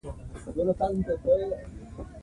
جلګه د افغانستان په هره برخه کې موندل کېږي.